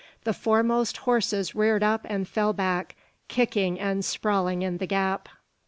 The foremost horses reared up and fell back, kicking and sprawling in the gap.